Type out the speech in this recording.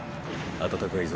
暖かいぞ。